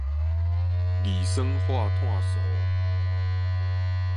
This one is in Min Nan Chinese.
二酸化炭素